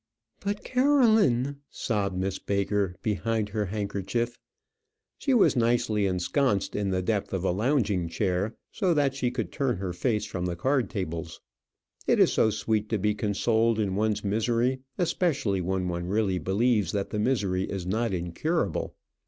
"But, Caroline!" sobbed Miss Baker, behind her handkerchief. She was nicely ensconced in the depth of a lounging chair, so that she could turn her face from the card tables. It is so sweet to be consoled in one's misery, especially when one really believes that the misery is not incurable.